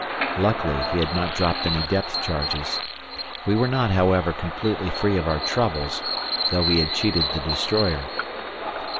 Luckily he had not dropped any depth charges. We were not, however, completely free of our troubles, though we had cheated the destroyer.